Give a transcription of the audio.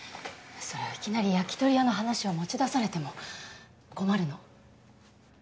それをいきなり焼き鳥屋の話を持ち出されても困るの。